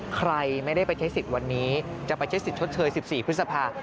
ใครไม่ได้ไปใช้สิทธิ์วันนี้จะไปใช้สิทธิ์ชดเชย๑๔พฤษภา